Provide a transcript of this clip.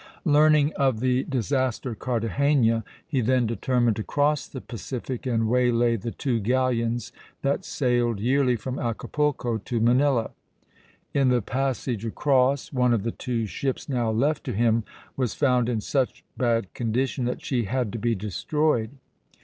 Learning of the disaster at Cartagena, he then determined to cross the Pacific and waylay the two galleons that sailed yearly from Acapulco to Manila. In the passage across, one of the two ships now left to him was found in such bad condition that she had to be destroyed.